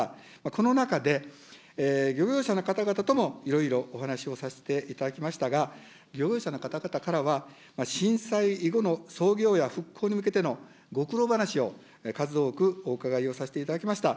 この中で、漁業者の方々ともいろいろお話しをさせていただきましたが、漁業者の方からは、震災後の操業や復興に向けてのご苦労話を数多くお伺いをさせていただきました。